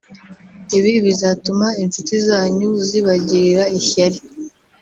Ibi bizatuma inshuti zanyu zibagirira ishyari